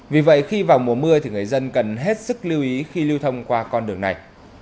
vì vậy khi vào mùa mưa thì người dân cần hết sức lưu ý khi lưu thông qua con đường này